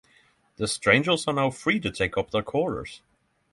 The strangers are now free to take up their quarters.